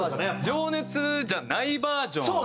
情熱じゃないバージョンを。